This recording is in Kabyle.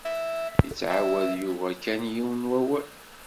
Yettɛawad Yuba kan yiwen n wawal.